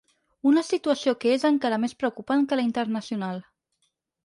Una situació que és encara més preocupant que la internacional.